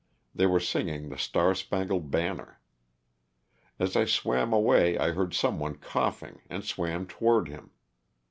They were singing the " Star Spangled Ban ner." As I swam away I heard some one coughing and swam toward him.